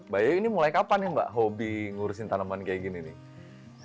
bayu ini mulai kapan nih mbak hobi ngurusin tanaman kayak gini nih